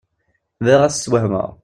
Bɣiɣ ad t-sswehmeɣ.